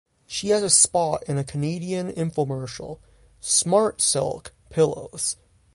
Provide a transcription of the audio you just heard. She has a spot in a Canadian infomercial "Smartsilk" pillows.